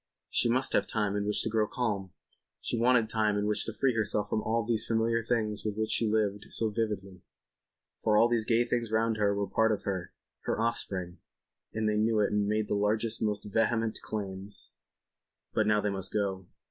She must have time in which to grow calm. She wanted time in which to free herself from all these familiar things with which she lived so vividly. For all these gay things round her were part of her—her offspring—and they knew it and made the largest, most vehement claims. But now they must go.